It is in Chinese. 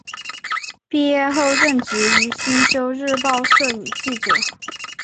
毕业后任职于星洲日报摄影记者。